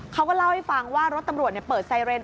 เขาก็เล่าให้ฟังว่ารถตำรวจเปิดไซเรน